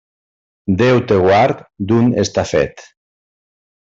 Déu te guard d'un està fet.